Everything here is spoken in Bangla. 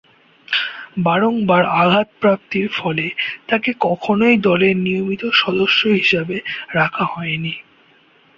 বারংবার আঘাতপ্রাপ্তির ফলে তাকে কখনোই দলের নিয়মিত সদস্য হিসেবে রাখা হয়নি।